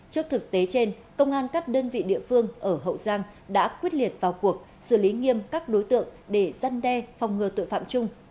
trước thực tế trên công an các đơn vị địa phương ở hậu giang đã quyết liệt vào cuộc xử lý nghiêm các đối tượng để giăn đe phòng ngừa tội phạm chung